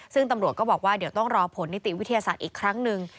ซึ่งตำรวจก็บอกว่าเดี๋ยวต้องรอผลนิติวิทยาศาสตร์อีกครั้งหนึ่ง